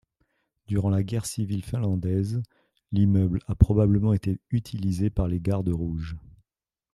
Durant la guerre civile finlandaise, l’immeuble a probablement été utilisé par les gardes rouges.